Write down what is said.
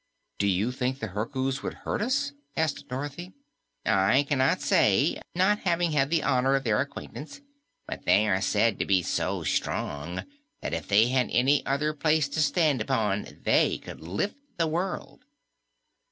"Do you think the Herkus would hurt us?" asked Dorothy. "I cannot say, not having had the honor of their acquaintance. But they are said to be so strong that if they had any other place to stand upon they could lift the world."